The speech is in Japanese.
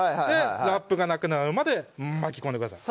ラップがなくなるまで巻き込んでください